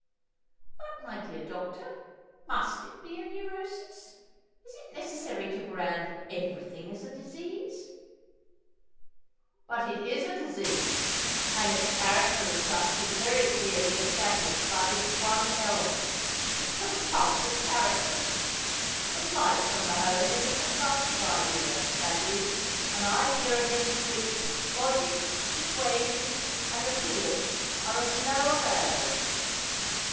'" "But, my dear doctor, must it be a neurosis? Is it necessary to brand everything as a disease?" "But it is a disease and its character as such is very clearly established by this one element: its compulsive character. The flight from the home is a compulsive idea, that is, an idea against which logic, persuasion, and appeals are of no avail."